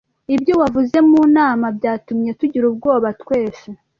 Ibyo wavuze mu nama byatumye tugira ubwoba twese